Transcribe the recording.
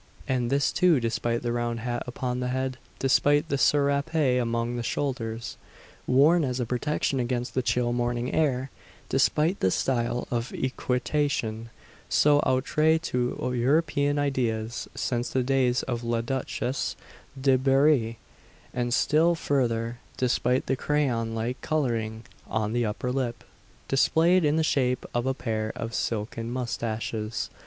And this, too, despite the round hat upon the head despite the serape upon the shoulders, worn as a protection against the chill morning air despite the style of equitation, so outre to European ideas, since the days of La Duchesse de Berri; and still further, despite the crayon like colouring on the upper lip, displayed in the shape of a pair of silken moustaches.